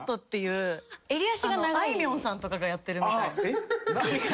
あいみょんさんとかがやってるみたいな髪形。